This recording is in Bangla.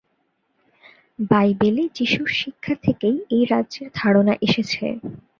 বাইবেলে যিশুর শিক্ষা থেকেই এই রাজ্যের ধারণা এসেছে।